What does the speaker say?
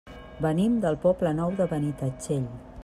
Venim del Poble Nou de Benitatxell.